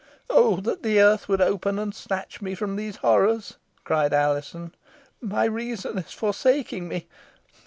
"Oh! that the earth would open and snatch me from these horrors," cried Alizon. "My reason is forsaking me.